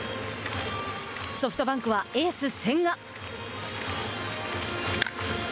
ソフトバンクはエース千賀。